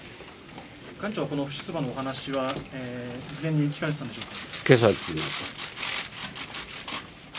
出馬のお話は事前に聞かれていたのでしょうか。